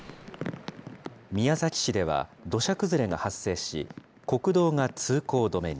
宮崎市では土砂崩れが発生し、国道が通行止めに。